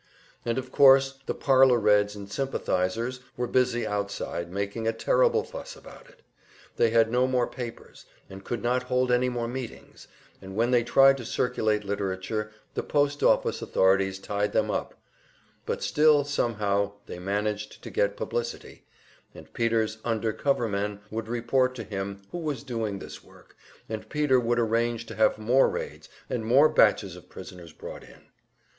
And of course the parlor Reds and sympathizers were busy outside making a terrible fuss about it. They had no more papers, and could not hold any more meetings, and when they tried to circulate literature the post office authorities tied them up; but still somehow they managed to get publicity, and Peter's "under cover" men would report to him who was doing this work, and Peter would arrange to have more raids and more batches of prisoners brought in.